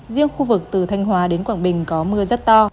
riêng khu vực từ thanh hóa đến quảng bình có mưa rất to